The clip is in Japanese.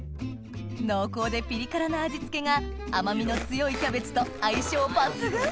濃厚でピリ辛な味付けが甘みの強いキャベツと相性抜群！